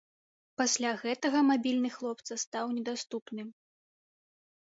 Пасля гэтага мабільны хлопца стаў недаступным.